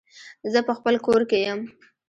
زه په خپل کور کې يم